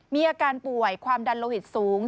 มีอาการป่วยความดันโลหิตสูง